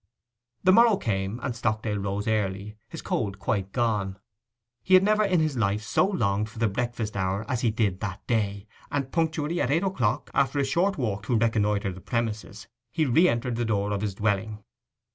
The morrow came, and Stockdale rose early, his cold quite gone. He had never in his life so longed for the breakfast hour as he did that day, and punctually at eight o'clock, after a short walk, to reconnoitre the premises, he re entered the door of his dwelling.